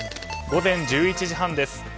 午前１１時半です。